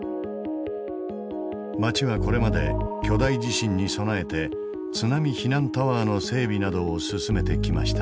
町はこれまで巨大地震に備えて津波避難タワーの整備などを進めてきました。